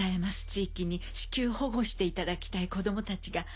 地域に至急保護していただきたい子供たちが。